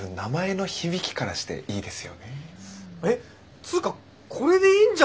つうかこれでいいんじゃないですか？